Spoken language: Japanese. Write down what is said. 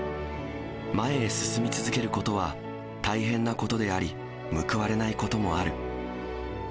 前へ進み続けることは、大変なことであり、報われないこともある。